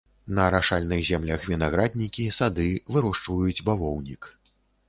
На арашальных землях вінаграднікі, сады, вырошчваюць бавоўнік.